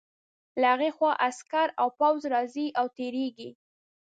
له هغې خوا عسکر او پوځ راځي او تېرېږي.